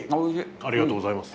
ありがとうございます。